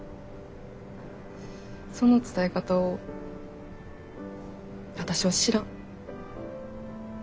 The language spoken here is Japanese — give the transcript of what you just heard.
その伝え方を私は知らん。